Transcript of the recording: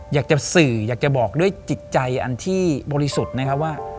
อยากจะสื่ออยากจะบอกด้วยจิตใจอันที่บริสุทธิ์นะครับว่า